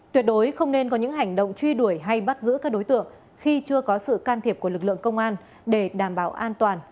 tuyệt đối không nên có những hành động truy đuổi hay bắt giữ các đối tượng khi chưa có sự can thiệp của lực lượng công an để đảm bảo an toàn